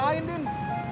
lara ada di panjang